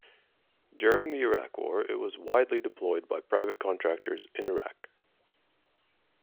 During the Iraq War, it was widely deployed by private security contractors in Iraq.